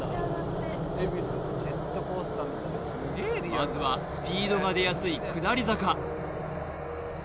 まずはスピードが出やすい下り坂